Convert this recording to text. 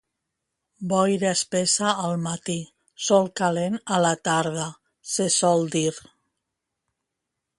Boira espessa al matí, sol calent a la tarda se sol dir.